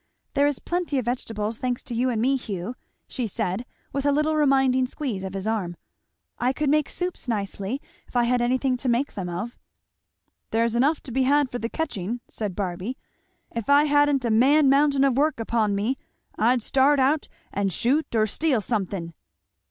"There is plenty of vegetables, thanks to you and me, Hugh," she said with a little reminding squeeze of his arm. "I could make soups nicely, if I had anything to make them of!" "There's enough to be had for the catching," said Barby. "If I hadn't a man mountain of work upon me, I'd start out and shoot or steal something."